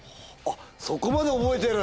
そこまで覚えてる？